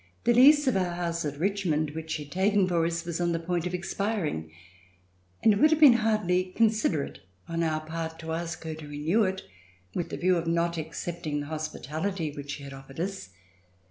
The lease of our house at Richmond, which she had taken for us, was on the point of expiring, and it would have been hardly considerate on our part to ask her to renew it, with the view of not accepting the hospitality which she offered us.